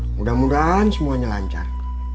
mudah mudahan semuanya lancar